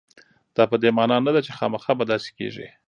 دا په دې معنا نه ده چې خامخا به داسې کېږي.